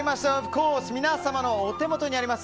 皆様のお手元にあります